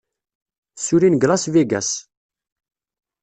Ssullin deg Las Vegas.